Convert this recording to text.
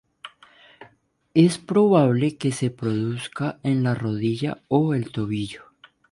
Es más probable que se produzca en la rodilla o el tobillo.